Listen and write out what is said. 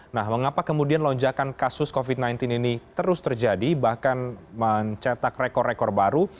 nah mengapa kemudian lonjakan kasus covid sembilan belas ini terus terjadi bahkan mencetak rekor rekor baru